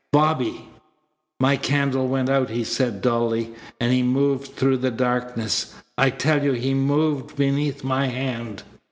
"Bobby!" "My candle went out," he said dully, "and he moved through the darkness. I tell you he moved beneath my hand."